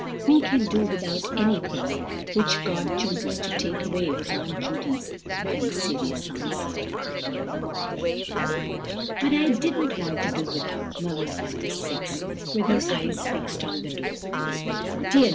"We can do without anything which God chooses to take away," was Aunt Judy's very serious answer. "But I didn't want to do without," murmured No. 6, with her eyes fixed on the floor. "Dear No.